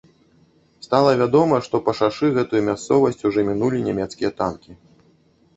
Стала вядома, што па шашы гэтую мясцовасць ужо мінулі нямецкія танкі.